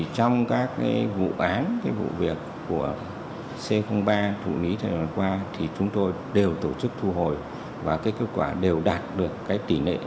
trong các vụ án vụ việc của c ba thủ lý thời gian qua chúng tôi đều tổ chức thu hồi và kết quả đều đạt được tỷ lệ